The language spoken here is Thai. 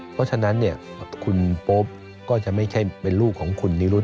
เพราะฉะนั้นคุณโป๊ปก็จะไม่ใช่เป็นลูกของคุณนิรุธ